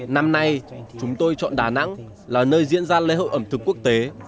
năm nay chúng tôi chọn đà nẵng là nơi diễn ra lễ hội ẩm thực quốc tế